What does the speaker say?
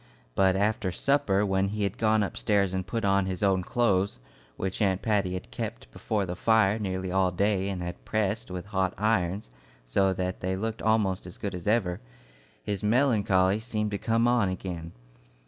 But after supper, when he had gone upstairs and put on his own clothes, which Aunt Patty had kept before the fire nearly all day and had pressed with hot irons so that they looked almost as good as ever, his melancholy seemed to come on again.